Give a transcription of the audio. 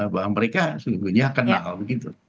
bahwa mereka sejujurnya kenal begitu